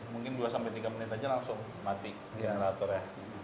mungkin dua sampai tiga menit aja langsung mati generator ya